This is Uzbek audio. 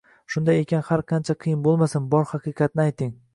Shunday ekan, har qancha qiyin bo‘lmasin, bor haqiqatni ayting.